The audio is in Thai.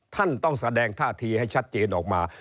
ท่านต้องแสดงท่าทีให้ชัดเจนออกมา